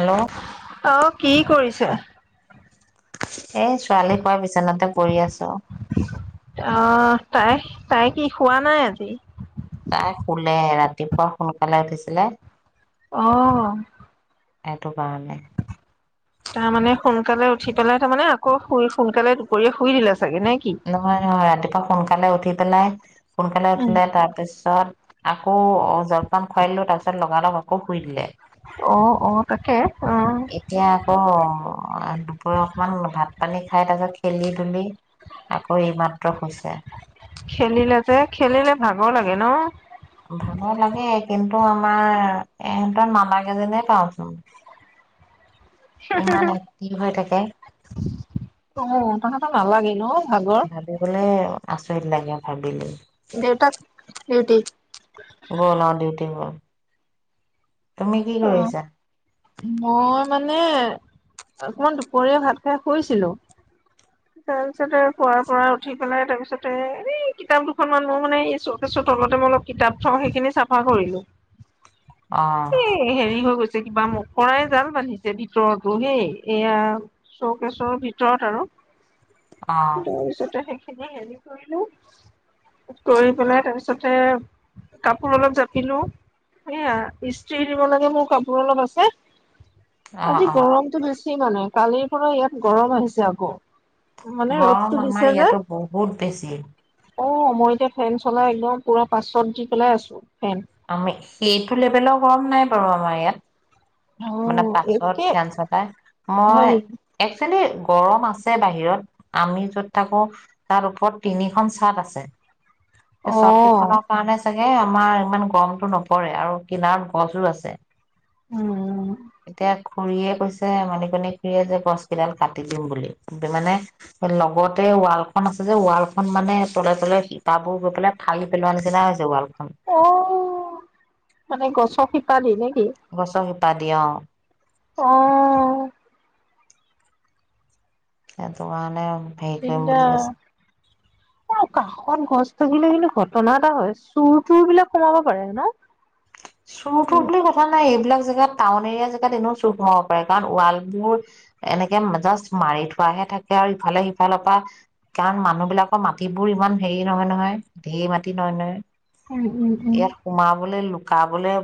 এল্ল'। অ কি কৰিছা? এ ছোৱালী কোৱাৰ বিচনাতে পৰি আছো অহ, তাই তাই কি শোৱা নাই আজি? তাই শোলে ৰাতিপুৱা সোনকালে উঠিছিলে। অ। এটো কাৰণে। তাৰমানে সোনকালে উঠি পেলাই তাৰ মানে আকৌ শুই সোনকালে দুপৰীয়া শুই দিলে। চাগে নে কি নহয় নহয় ৰাতিপুৱা সোনক লে উঠি পেলাই সোনকালে উম উঠিলে তাপিছ ছত আকৌ অ জলপান খোৱাই দিলো তাৰপিছত লগালগ আকৌ শুই দিলে। অ অ তাকে অ এতিয়া আকৌ দুপৰ অকমান ভাত পানী খাই তাৰ পাছত খেলি ধুলি আকৌ এইমাত্ৰ শুইছে। খেলিলে যে খেলিলে ভাগৰ লাগে ন? ভাগ লাগে। কিন্তু আমাৰ এহঁতৰ মালা কেইজনীয়ে পাওঁচোন। ইমান এক্টিভ হৈ থাকে হো, হো, হো, অ', তাহাঁতৰ নালাগেই ন ভাগৰ। ভাবিবলে আচৰিত লাগে ভাবিলেই। দেউতাক ডিউটি? গল অ' ডিউটি গল। তুমি কি অ', কৰিছা মই মানে অকমান দুপৰীয়া ভাত খাই শুইছিলো। তাৰপিছতে শোৱাৰ পৰা উঠি পেলাই তাৰপিছতে এনেই কিতাপ দুখনমান মোৰ মানে এই শ্ব'কেচৰ তলতে মই অলপ কিতাপ থওঁ সেইখিনি চাফা কৰিলো। অ এ হেৰি হৈ গৈছ। কিবা মকৰাই জাল বান্ধিছে ভিতৰতো হেই, এয়া শ্ব'কেছৰ ভিতৰত আৰু। অ তাৰইছতে শেষ। এ হেৰি কৰিলো, কৰি পেলাই তাৰপিছতে কাপোৰ অলপ জাপিলো। সেয়া ইছ টি দিব লাগে মোৰ কাপোৰ অলপ আছে। অ আজি অ গৰমতটো বেছ। কি মানে কালিৰ পৰা ইয়াত গৰম আহিছে আকৌ। মানে গৰম ৰ'দটো আমাৰ দিছে যে ইয়াতো বহুত বেছি। অ', মই এতিয়া ফেন চলাই একদম পুৰা পাঁচত দি পেলাই আছো। ফেন আমি সেইটো লেবেলৰ গৰম নাই অব আমাৰ ইয়াত অ মানে পাছত একে ফেন চটাই হয় মই নেকি একচুৱেলি গৰম আছে বাহিৰত আমি য'ত থাকো তাৰ ওপৰত তিনিখন চাট আছে। এ অ শ্বট কিখনৰ কাৰণে চাগ এ আমাৰ ইমান গৰমতটো নপৰে আৰু কিনাৰত গছো আছে উম। এতিয়া খুৰীয়ে কৈছে মালিকনী খুৰীয়ে যে গছ কেইডাল কাটি দিম বুলি মানে লগতে ৱালখন আছে যে ৱালখনন মানে তলে তলে শিপাবোৰ গৈ পেলাই ফালি পেলোৱা নিচিনা হৈছে ৱাল অঅঅ মানে গছৰ শিপ পা নিনে গছ শিপ শিপা দি অ'। অ'। সেইটো কাৰণে হেৰি কৰিম বিনদা, বুলি কৈছে অ কাষত গছ গছ থাকিলে কিন্তু ঘটনা এটা হয় চুৰ তুৰ বিলাক সোমাব পাৰে ন। চুৰটো উম, বুলি কথা নাই এ এইবিলাক জেগাত টাউন এৰিয়া জেগাত এনেও চুৰ সোমাব পাৰে কাৰণ ৱালবোৰ এনেকে জাষ্ট মাৰি থোৱাহে থাকে আৰু ইফালে সিফালৰ পৰা কাৰণ মানুহ বিলাকৰ মাটিবোৰ ইমান হেৰি নহয় নহয় ধেৰ মাটি নহয় নহয়। উম, উম, উম, ইয়াত সোমাবলৈ ল কাবলে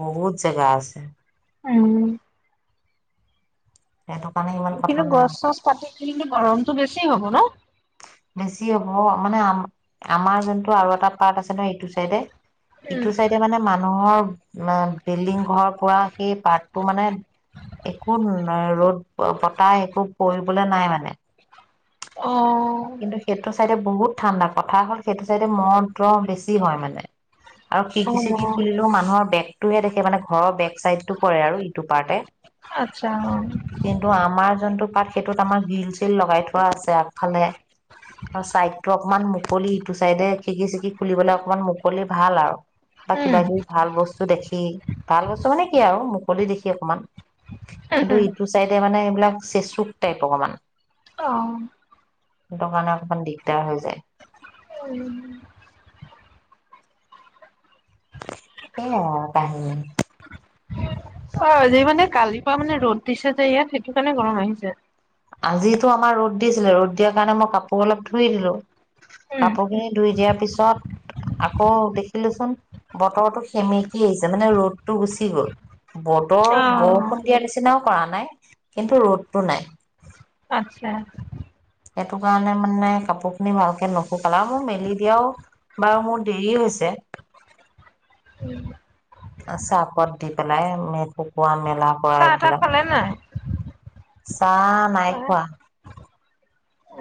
বহুত জেগা আছে। উম। সেইটো কাৰণে ইমান কথা কিন্তু নাই গছ চছ কাটি কিন্তু গৰমটো বেছি হ'ব ন? অ', মানে আ-আমাৰ যোনটো আৰু এটা পাৰ্ট আছে ন এইটো চাইডে উম, ইটো চাইডে মানে মানুহৰ মা বিল্ডিং ঘৰৰ পৰা সেই পাৰ্টটো মানে একো ৰ'দ পতা একো কৰিবলে নাই মানে। কিন্তু সেইটো অহ। চাইডে বহুত ঠাণ্ডা কথা হ'ল, সেইটো চাইডে ম'হ তহ বেছি হয়, মানে। আৰু খিৰিকি চিৰিকি অ' খুলিলোও মানুহৰ বেকটোহে দেখে মানে ঘৰৰ বেক চাইডটো পৰে আৰু ইটো পাৰ্টে। আচ্ছা কিন্তু আমাৰ যোনটো পাত সেইটোত আমাৰ গিলচ চিল লগাই থোৱা আছে আগফালে আৰু চাইডটো অকমান মুকলি ইটো চাইডে খিৰিকি চিৰিকি খুলিবলে অকমান মুকলি ভাল আৰু। বা উম, কিবা কিবি ভাল বস্তু দেখি। ভাল বস্তু মানে কি আৰু মুকলি দেখি অকমান। কিন্তু ইটো চাইডে মানে এইবিলাক চেচুক টাইপৰ অকমান। অহ। সেটো কাৰণে অকমান দিগদাৰ হৈ যায়। উম। সেইয়া কাহিনী। অ' যি মানে কালিৰ পৰা মানে ৰ'দ দিছে যে ইয়াত সেইটো কাৰণে গৰম আহিছে। আজিটো আমাৰ ৰ'দ দিছিলে, ৰ'দ দিয়াৰ কাৰণে মই কাপোৰ অলপ ধুই দিলো। উম, কাপোৰখিনি ধুই দিয়াৰ পিছত আকৌ দেখিলোচোন বতৰটো সেমেকি আহিছে মানে ৰ'দটো গুচি গ'ল। বতৰ অ' বৰষুণ দিয়া নিচিনাও কৰা নাই। কিন্তু ৰ'দতটো নাই। আতচ্ছা, সেইটো কাৰণে মানে কাপোৰ খিনি ভালকে নুশুকালে আৰু মোৰ মেলি দিয়াও বাৰু মোৰ দেৰি হৈছে। উম। চাফৰ্ত দি পেলাই শুকোৱা মেলা।। কৰা চাহ তাহ এইবিলাক। খালেন নাই? চাহ নাই খোৱা। উ,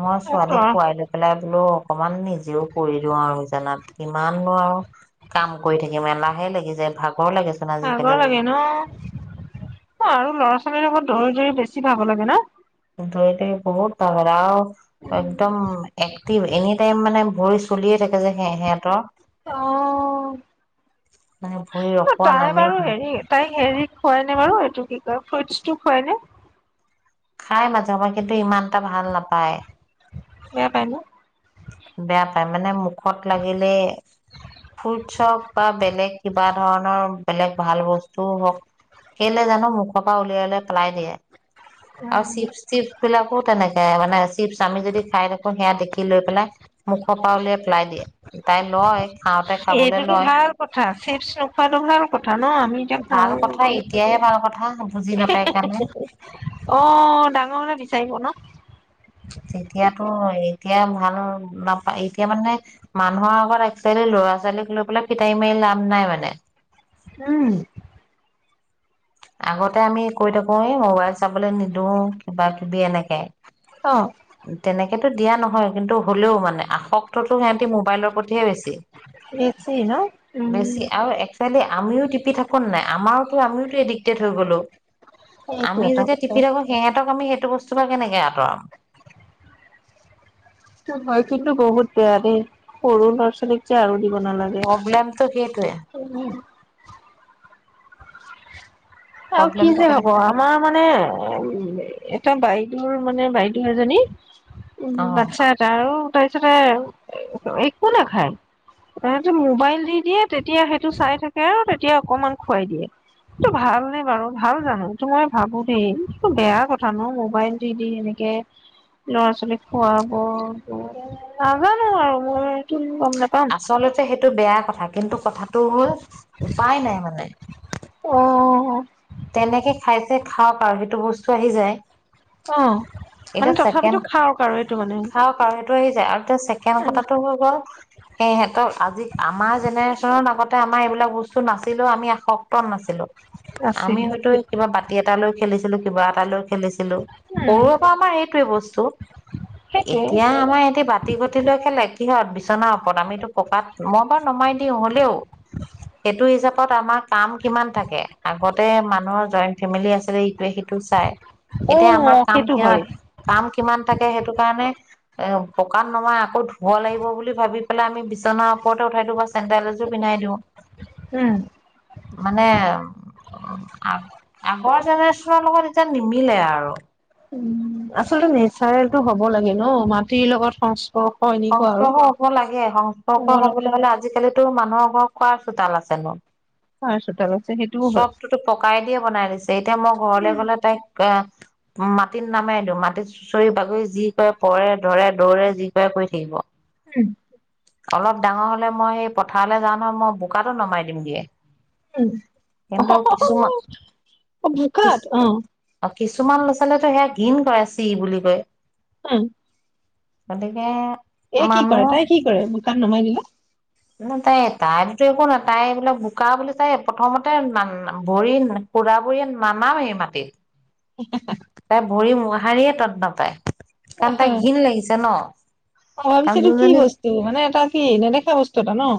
মই ছোৱালীক খোৱাই লৈ পেলাই।। ময়ো অকমান নিজেও পৰি দিও আৰু বিছনাত কিমাননো আৰু কাম কৰি থাকিম এলাহে লাগি যায় ভাগ।। ভাগৰ লাগে ন, আৰু ল'ৰা ছোৱালীৰ লগত।। দৈৰি দৈৰি বেছি ভাগৰ লাগে না? কিন্তু এতিয়া বহুত আৰাম। একদম এক।। এনি টাইম মানে ভৰি চলিয়ে থাকে যে সে সিহঁতৰ। মানে ভৰি অ ৰখোৱা তাই নামেই বাৰু নাই হেৰি তাই হেৰি খোৱাই নে বাৰু এইটো কি কয়।। ফুটৰ্চটো খোৱাই নে? খাই মাজে মাজে দেই ইমান টা ভাল নাপায়। বেয়া পাই ন, তাই মানে মোক, মুখত লাগিলে ফ্ৰুট হওক বা বেলেগ কিবা ধৰণৰ মুখত লাগিলে ফুৰৰ্টচ হক বা বেলেগ কিবা ধৰণৰ বেলেগ ভাল বস্তু হওক কেলে জানো মুখৰ পৰা উলিয়াই উলিয়াই পেলাই দিয়ে। আৰু চিপছ টিপছ বিলাকো তেনেকে মানে।। চিপছ আমি যদি খাই থাকো, সেয়া দেখি লৈ পেলাই।। মুখৰ পৰা উলিয়াই পেলাই দিয়ে। তাই লয় খাওঁতে খাবলৈ এইটোতো লয় ভাল কথা, চিপছ নোখোৱাটো ভাল কথা ন, আমি এতিয়া ভাল খাওঁ কথা এতিয়াহে ভাল কথা বুজি হে নাপায় হে কাৰণে হে অ ডাঙৰ হলে বিচাৰিব ন। তেতিয়াতো এতিয়া ভাল হ'ল। নাপায়, এতিয়া মানে মানুহৰ আগত একচুৱেলি ল'ৰা ছোৱালীক লৈ পেলাই ফিটাহি মাৰি লাভ নাই মানে। উম, আগতে আমি কৈ থাকো এই মোবাইল চাবলে নিদিওঁ কিবা কিবি এনেকে। অ, তেনেকে। সেইটো দিয়া নহয় কিন্তু হ'লেও মানে, আসক্তটো সিহঁতি মোবাইলৰ প্ৰতিহে বেছি। বেছি ন, বেছি উম। আৰু একচুৱেলি আমিও টিপি থাকো নাই আমাৰ কি আমিয়ো টো এডিক্টেড হৈ গলো। সেইটো আমি এটা যেতিয়া কথা। টিপি থাকো সিহঁতক আমি সেইটো বস্তু।। চোপা কেনেকে আঁতৰাম কিন্তু মই কিন্তু বহুত বেয়া দেই সৰু ল'ৰা ছোৱালীক যে আৰু।। দিব নালাগে। প্ৰব্লেমটো সেইটোৱে আৰু কি প্ৰব্লেমটো যে কেনে হ'ব আমাৰ মানে তাইৰ বাইদেউৰ মানে বাইদেউ এজনী উম, অ বাটচা এটা অ'। তাৰ পিছতে একো নাখায়, তাইৰ হাতত মোবাইল দি দিয়ে তেতিয়া সেইটো চাই থাকে অ তেতিয়া অকমান খুৱাই দিয়ে সেইটো ভাল বাৰু ভাল জানো সেইটো মই ভাবো দেই সেইটো বেয়া কথা ন' মোবাইল দি দি এনেকে ল'ৰা ছোৱালীক খুৱাব নাজানো আৰু মইটো আচলতে সেইটো বেয়া কথা। কিন্তু কথাটো হ'ল উপায় নাই মানে। অ'। তেনেকে খাইছে খাওক আৰু সেইটো বস্তু আহি যায় অ মানে এতিয়া ছেকেণ্ড তথাপিতো খাওক আৰু এইটো মানে খাওঁক আৰু সেইটো আহি যায় আৰু এতিয়া ছেকেণ্ড কথাটো হৈ গ'ল সেইটো আজি আমাৰ জেনেৰেশ্যনৰ আগতে আমাৰ এইবিলাক বস্তু নাছিলেও আমি আসক্তোও নাছিলোঁ। হেলো [inaudible] আমি আছিল হয়তো কিবা বাতি এটা লৈ খেলিছিলো। কিবা এটালৈ খেলিছিলো উম সৰুৰে পৰা আমাৰ এইটোৱে বস্তু সেইটোৱে এতিয়া আমাৰ সিহতি বাটি-ঘটি লৈ খেলে কিহঁত বিচনাৰ ওপৰত, আমিতো পকাত মই বাৰু নমাই দিওঁ হ'লেও সেইটো হিচাপত [inaudible] আমাৰ কাম কিমান থাকে আগত তাতে মানুহৰ জইণ্ট ফেমিলি আছিলে ইটোৱে সিটো চাই। অ এতিয়া আমাৰ কাম সেইটো কিমান হয় কাম কিমান থাকে সেইটো কাৰণে এ, পকাত নমাই আকৌ ধুব লাগিব বুলি ভাবি পেলাই আমি বিচনাৰ ওপৰতে উঠাই দিবো চাওঁ। চেণ্ডেল এজোৰ পিন্ধাই দিওঁ উম মানে অ আগৰ জেনেৰেশ্যনৰ লগত এতিয়া নিমিলে আৰু উম আচলতে নেচাৰেলেটো হব লাগে ন মাটিৰ লগত সংস্পৰ্শ এনেকুৱা আৰু সংস্পৰ্শ হ'ব লাগে হ'ব সংস্পৰ্শ লাগে হবলৈ হ'লে আজিকালি টো মানুহৰ ঘৰত কাৰ চোতাল আছে নু কাৰ চোতাল আছে সেইটোও হয় চবটোটো পকাই দিয়ে বনাই দিছে এতিয়া মই ঘৰলে উম গ'লে তাইক আহ মাটিত নামাই দিও, মাটিত চুচৰি বাগৰি যি কৰে পৰে ধৰে দৌৰে যি কৰে কৰি থাকিব। [unintelligible] অলপ ডাঙৰ হলে মই সেই পথাৰলৈ যাওঁ নহয় মই বোকাটো নমাই দিম দিয়ে উম অহোহোহো অ কিছ বোকাত ঘৃণ কৰে চি বুলি কয় উম। গতিকে এ কি মানুহ কৰে, তাই কি কৰে? তাত নমাই দিলে। নহয়, তাই টাইমতো একো নাপায়। পেট ভৰিল মোৰ। সঁহাৰিয়ে তত্ নাপায়। কাৰণ তাইৰ ঘৃণ লাগিছে ন? অন কাৰণ ছিৰিজ কি যোনজনী বস্তু মানে এটা কি নেদেখা বস্তু এটা ন?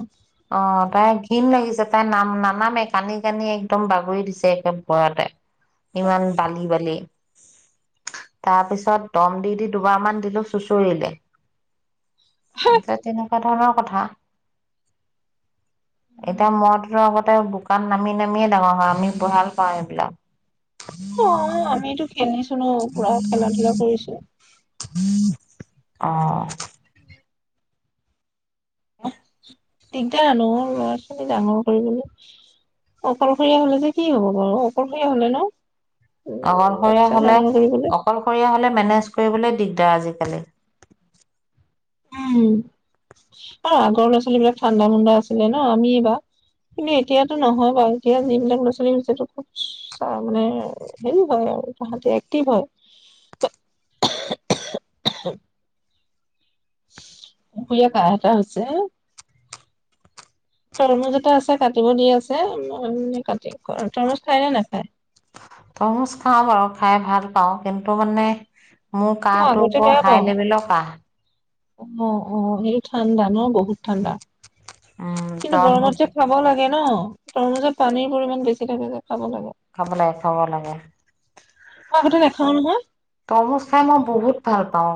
অ তাই ঘিণ লাগিছে তাই নাম নানামে কান্দি কান্দি একদম বাগৰি দিছে একে ওপৰতে ইমান বালি বালি। তাৰ পিছত দম দি দি দুবাৰমান দিলো চুচৰিলে। তাতে ন? এ ধৰণৰ কথা। এতিয়া মদ লোৱা আগতে বুকু বোকাত নামি নামিয়ে ডাঙৰ হোৱা আমি ভাল পাওঁ এইবিলাক। অ, আমিতো খেলিছো ন পুৰা খেলা -ধূলা কৰিছো। [inaudible] অহ এহ [unintelligible] দিগদাৰ আানো ল'ৰা -ছোৱালী ডাঙৰ কৰিবলৈ, অকলশৰীয়া হলে যে কি হব বাৰু অকলশৰীয়া হলে ন? উম অকলশৰীয়া বাচ্ছা হলে, ডাঙৰ কৰিবলৈ অকলশৰীয়া হলে মেনেজ কৰিবলে দিগদাৰ আজি। বেলেগ উম আৰু আগৰ ল'ৰা ছোৱালী বিলাক ঠাণ্ডা মুডা আছিলে ন আমিয় বা কিন্তু এতিয়াটো নহয় বাৰু এতিয়া যিবিলাক ল'ৰা -ছোৱালী হৈছেটো খুব চা মানে হেৰি হয় আৰু তাহাঁতি এক্টিভ হয়। সুৰ- সুৰিয়া কাঁহ এটা হৈছে। তৰমুজ এটা আছে কাটিব দি আছে। উম কাটি কৰি। তৰমুজ খায় নে নেখায় তৰমুজ খাওঁ বাৰু খাই ভাল পাওঁ কিন্তু মানে! মোৰ মই কাঁহটো আগতে বৰ বেয়া হাই পাওঁ লেভেলৰ কাঁহ। অ- অ এই ঠাণ্ডা ন বহুত ঠাণ্ডা? উম কিন্তু গৰমত তৰমুজ যে খুৱাব লাগে। অ তৰমুজত পানীৰ পৰিমাণ বেছি থাকে যে। খাব লাগে মই খাব লাগে, খাব লাগে আগতে নাখাও নহয় তৰমুজ খাই মই বহুত ভাল পাওঁ।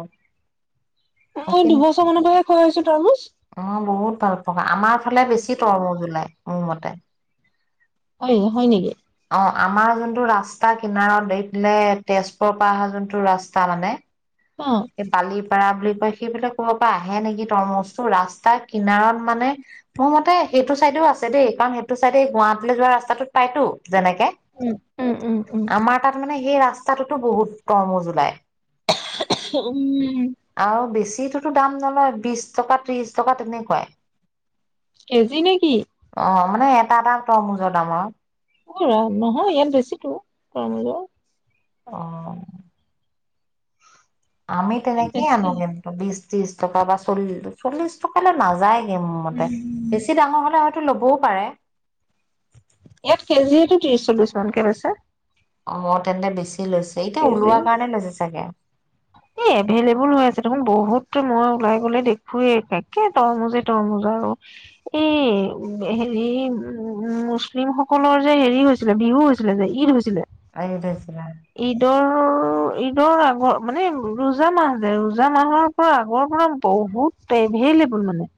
অ' মই কিন্ দুবছৰ মানৰ পৰাহে খোৱা হৈছো তৰমুজ - অ বহুত ভাল পাওঁ আমাৰ ফালে বেছি তৰমুজ ওলাই। মোৰ মতে, হৈ হয় নেকি? অ আমাৰ যোনটো ৰাস্তা কিনাৰত এই পিনে তেজপুৰৰ পৰা অহা যোনটো ৰাস্তা মানে, অ এ পালিপ পায়া বুলি কয় সেই বিলাক ক'ৰবা পৰা আহে নেকি তৰমুজটো? ৰাস্তাৰ কিনাৰত মানে মোৰ মতে সেইটো চাইডেও আছে দেই কাৰণ সেইটো চাইডে গুৱাহাটীলৈ যোৱা ৰাস্তাটোত পাইতো। যেনেকে উম, উম, উম, উম, আমাৰ তাত মানে ই সেই ৰাস্তাটোতো বহুত তৰমুজ ওলাই [inaudible] উম সেইটোতো দাম নলয় বিশ টকা ত্ৰিশ টকা তেনেকুৱাই কেজি নেকি অ মানে এটা এটা তৰমুজৰ দাম আৰু [inaudible] নহয় ইয়াত বেছিতো তৰমুজৰ অ' আমি ইয়াত তেনেকেইে বেছি। আনোগে বিশ ত্ৰিশ টকা বা চল্লি চল্লিশ টকালে নাযায় মোৰ মতে উম, বেছি ডাঙৰ হলে লবও পাৰে ইয়াত কেজিটো ত্ৰিশ চল্লিশ মানকে হৈছে অ' মোৰ তেন্তে বেছি। লৈছে এতিয়া কেজি। ওলোৱা কাৰণে লৈছে চাগে। বহুতো মই ওলাই গলে দেখুৱে একে তৰমুজে তৰমুজ আৰু এই হেৰি উম মুছলিমসকলৰ যে হেৰি হৈছিলে বিহু হৈছিলে যে ঈদ হৈছিলে আনি থৈছিলা। ঈদৰ ঈদৰ আগৰ মানে ৰোজা মাহ যে ৰোজা মাহৰ পৰা আগৰ পৰা বহুত এভেইলেবেল মানে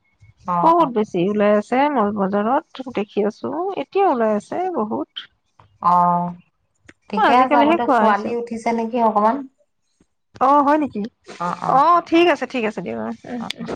অ', অ', বহুত বেছি ওলাই আছে মল বজাৰত দেখি আছো এতিয়া ওলাই আছে বহুত। অ' অ ঠিকে আছে হব আজিকালিহে দিয়ক খোৱা হৈছে ছোৱালী উঠিছে নেকি অকমান। অ' হয় নেকি অ ঠিক আছে। ঠিক আছে [inaudible] উম অ'। উম!